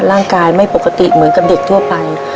ร่างกายไม่ปกติเหมือนกับเด็กทั่วไป